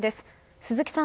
鈴木さん